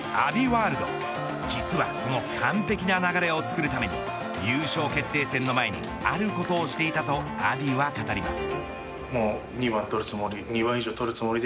ワールド実はその完璧な流れをつくるために優勝決定戦の前にあることをしていたと阿炎は語ります。